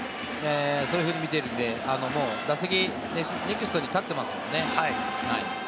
そういうふうに見ているんで、打席、ネクストにもう立ってますもんね。